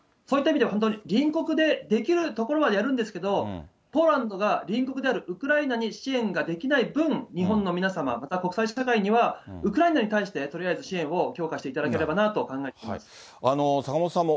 そういった意味では本当に、隣国で、できるところはやるんですけど、ポーランドが、隣国であるウクライナに支援ができない分、日本の皆様、また国際社会には、ウクライナに対してとりあえず支援を強化していただければなと考えています。